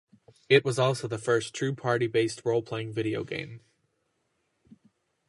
It was also the first true party-based role-playing video game.